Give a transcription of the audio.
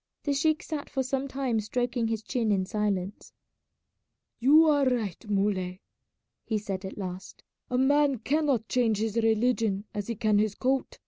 The sheik sat for some time stroking his chin in silence. "You are right, Muley," he said at last; "a man cannot change his religion as he can his coat.